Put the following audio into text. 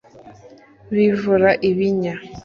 bivura ibinya